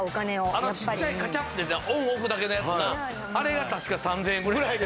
あの小さいカチャッてオンオフだけのやつなあれが確か３０００円ぐらい。